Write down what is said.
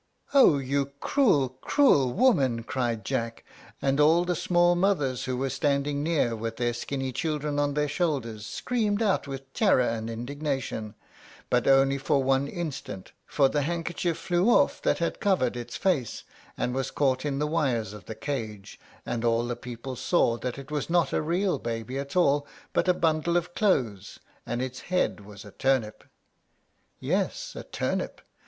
"Oh, you cruel, cruel woman!" cried Jack, and all the small mothers who were standing near with their skinny children on their shoulders, screamed out with terror and indignation; but only for one instant, for the handkerchief flew off that had covered its face, and was caught in the wires of the cage, and all the people saw that it was not a real baby at all, but a bundle of clothes, and its head was a turnip. Yes, a turnip!